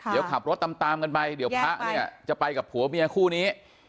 เดี๋ยวขับรถตามตามกันไปเดี๋ยวพระเนี่ยจะไปกับผัวเมียคู่นี้